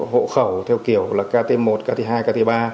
hộ khẩu theo kiểu là kt một kt hai kt ba